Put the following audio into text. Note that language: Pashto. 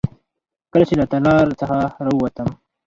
کله چې له تالار څخه راووتم.